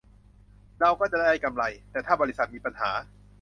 เราก็จะได้กำไร แต่ถ้าบริษัทมีปัญหา